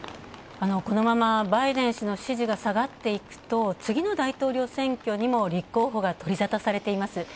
このままバイデン氏の支持が下がっていくと次の大統領選挙にも立候補が取り沙汰されています。